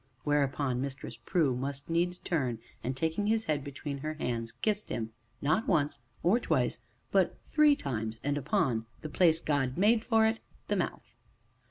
Whereupon Mistress Prue must needs turn, and taking his head between her hands, kissed him not once, or twice, but three times, and upon "the place God made for it the mouth."